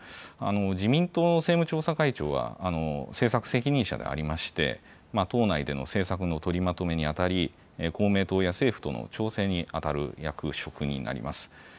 自民党の政務調査会長は、政策責任者でありまして、党内での政策の取りまとめに当たり、公明党や政府との調整に当たる役職になります。